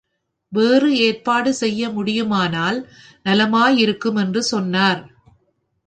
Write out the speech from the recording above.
வேறு ஏற்பாடு செய்ய முடியுமானால் நலமாயிருக்கும் என்று சொன்னார்.